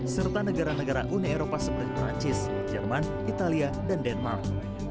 serta negara negara uni eropa seperti perancis jerman italia dan denmark